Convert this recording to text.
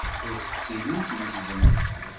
Ur tettilimt twejdemt.